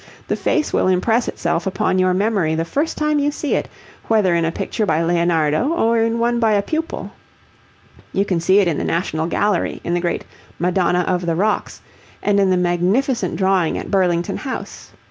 The face will impress itself upon your memory the first time you see it, whether in a picture by Leonardo or in one by a pupil. You can see it in the National Gallery in the great 'Madonna of the Rocks,' and in the magnificent drawing at Burlington House.